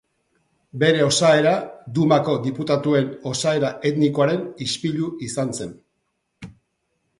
Bere osaera Dumako diputatuen osaera etnikoaren ispilu izan zen.